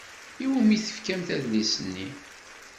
I wumi i tefkam adlis-nni?